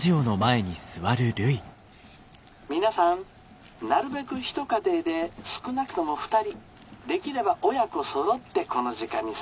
「皆さんなるべく一家庭で少なくとも２人できれば親子そろってこの時間に参加してくださいね。